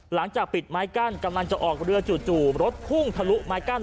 หลังจากปิดไม้กั้นกำลังจะออกเรือจู่รถพุ่งทะลุไม้กั้น